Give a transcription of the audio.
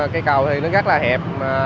cây cầu rất là hẹp